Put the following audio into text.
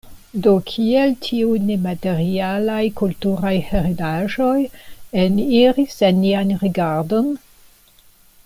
Do kiel tiuj nematerialaj kulturaj heredaĵoj eniris en nian rigardon?